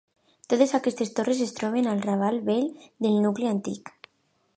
Totes aquestes torres es troben al Raval Vell del nucli antic.